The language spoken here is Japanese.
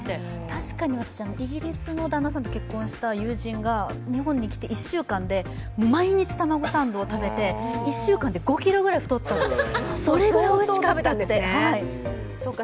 確かにイギリスの旦那さんと結婚した友人が日本に来て、１週間で毎日玉子サンドを食べて１週間で５ｋｇくらい太ったってそれぐらいおいしかったんですって。